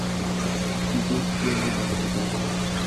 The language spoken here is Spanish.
Siguió estudiando en la capital.